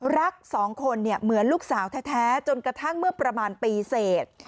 รักสองคนเหมือนลูกสาวแท้จนกระทั่งเมื่อประมาณปีเสร็จ